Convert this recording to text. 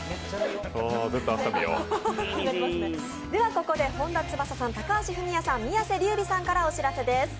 ここで本田翼さん、高橋文哉さん、宮世琉弥さんからお知らせです。